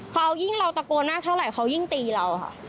เขายิ่งเราตะโกนหน้าเท่าไหร่เขายิ่งตีเราค่ะ